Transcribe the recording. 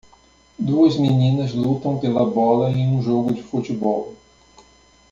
Duas meninas lutam pela bola em um jogo de futebol.